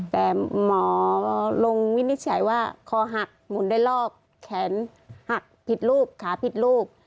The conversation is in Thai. แต่หมอลงวินิจฉัยว่าคอหักหมุนได้ลอกแขนหักผิดรูปขาผิดรูป